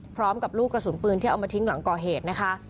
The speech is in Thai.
ลูกกระสุนปืนที่เอามาทิ้งหลังก่อเหตุนะคะ